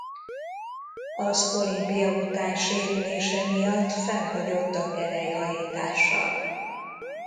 Az olimpia után sérülése miatt felhagyott a gerelyhajítással.